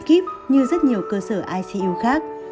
ba ca bốn kíp như rất nhiều cơ sở icu khác